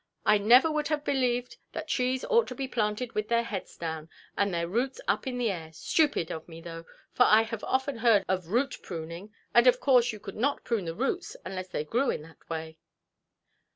I never would have believed that trees ought to be planted with their heads down, and their roots up in the air. Stupid of me, though, for I have often heard of root–pruning, and of course you could not prune the roots unless they grew in that way".